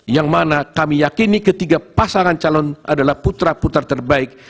yang mana kami yakini ketiga pasangan calon adalah putra putra terbaik